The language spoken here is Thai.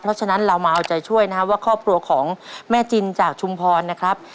เพราะฉะนั้นเรามาเอาใจช่วยนะครับว่าครอบครัวของแม่จินจากชุมพรนะครับ